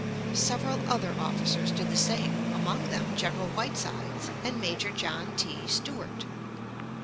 Several other officers did the same, among them General Whitesides and Major John T. Stuart.